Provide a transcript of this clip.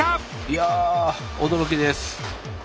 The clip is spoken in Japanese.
いやあ驚きです！